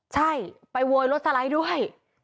ใช่ไปโวยรถสไลด์ด้วย